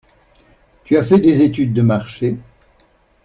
Tu as fait des études de marché?